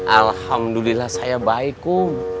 alhamdulillah saya baik kum